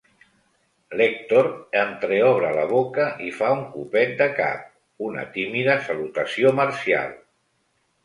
L'Èctor entreobre la boca i fa un copet de cap, una tímida salutació marcial.